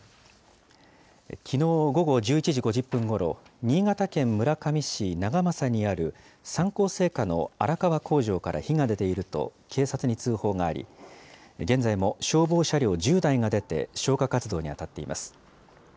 きのう午後１１時５０分ごろ、新潟県村上市長政にある、三幸製菓の荒川工場から火が出ていると、警察に通報があり、現在も消防車両１０台が出て消火活動に当たっています。